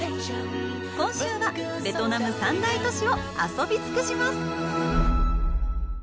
今週は、ベトナム３大都市を遊び尽くします！